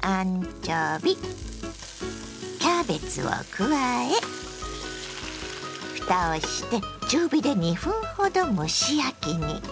アンチョビキャベツを加えふたをして中火で２分ほど蒸し焼きに。